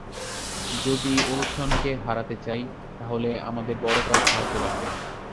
যদি ওরসনকে হারাতে চাই, তাহলে আমাদের বড় কারো সাহায্য লাগবে।